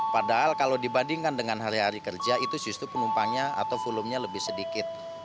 padahal kalau dibandingkan dengan hari hari kerja itu justru penumpangnya atau volumenya lebih sedikit